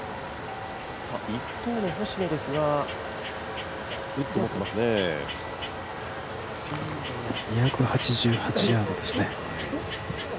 一方の星野ですが、持っていますね２８８ヤードですね。